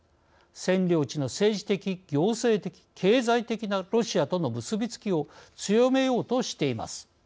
占領地の政治的行政的経済的なロシアとの結びつきを強めようとしています。